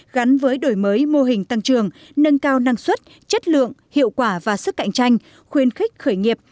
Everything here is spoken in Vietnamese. gắn với đổi mới mô hình tăng trường nâng cao năng suất chất lượng hiệu quả và sức cạnh tranh khuyên khích khởi nghiệp